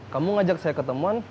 kamu ngajak saya ke temuan